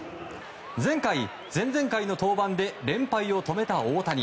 前回、前々回の登板で連敗を止めた大谷